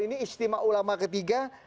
ini istimewa ulama ketiga